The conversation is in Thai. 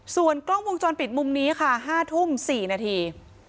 ส่วนกล้องวงจรปิดมุมนี้ค่ะ๕ทุ่ม๔นาที